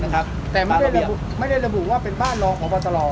แต่ไม่ได้ระบุว่าเป็นบ้านลองออกมาตลอด